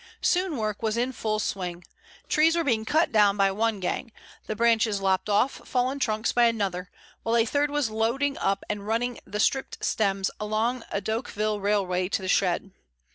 Soon work was in full swing. Trees were being cut down by one gang, the branches lopped off fallen trunks by another, while a third was loading up and running the stripped stems along a Decauville railway to the shed.